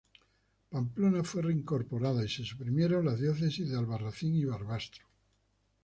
Pamplona fue reincorporada y se suprimieron las diócesis de Albarracín y Barbastro.